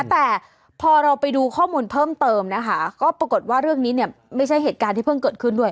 แต่พอเราไปดูข้อมูลเพิ่มเติมนะคะก็ปรากฏว่าเรื่องนี้เนี่ยไม่ใช่เหตุการณ์ที่เพิ่งเกิดขึ้นด้วย